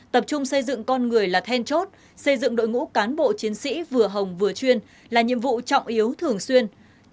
tập trung xây dựng con người là then chốt xây dựng đội ngũ cán bộ chiến sĩ vừa hồng vừa chuyên là nhiệm vụ trọng yếu thường xuyên